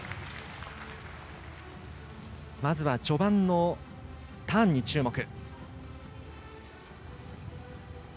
まずは序盤のターンに注目。